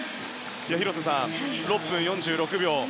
広瀬さん、６分４６秒。